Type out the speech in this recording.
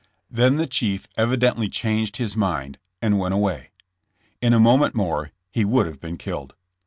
Then the chief evidently changed his mind 12 J ^Sn JAM^. and went away. In a moment more he would have been killed.